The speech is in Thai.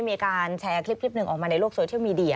มีการแชร์คลิปหนึ่งออกมาในโลกโซเชียลมีเดีย